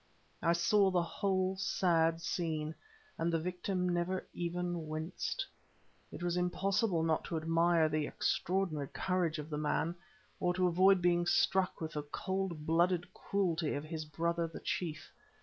I saw the whole sad scene, and the victim never even winced. It was impossible not to admire the extraordinary courage of the man, or to avoid being struck with the cold blooded cruelty of his brother the chief.